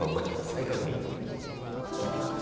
再確認。